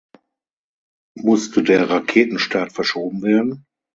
Musste der Raketenstart verschoben werden?